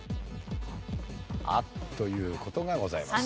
あっ！という事がございます。